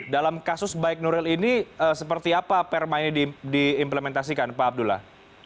dalam kasus baik nuril ini seperti apa perma ini diimplementasikan pak abdullah